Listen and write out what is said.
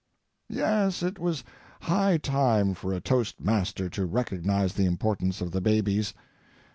Yes, it was high time for a toast master to recognize the importance of the babies.